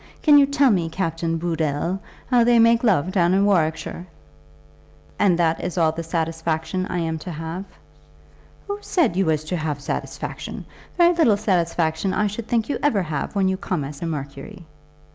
Can you tell me, Captain Booddle, how they make love down in Warwickshire?" "And that is all the satisfaction I am to have?" "Who said you was to have satisfaction? Very little satisfaction I should think you ever have, when you come as a Mercury."